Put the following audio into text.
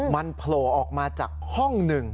มันโผล่ออกมาจากห้องหนึ่ง